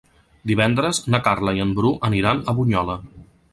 Divendres na Carla i en Bru aniran a Bunyola.